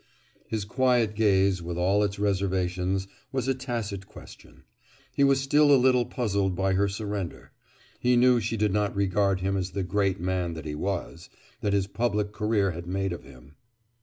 Her quiet gaze, with all its reservations, was a tacit question. He was still a little puzzled by her surrender. He knew she did not regard him as the great man that he was, that his public career had made of him.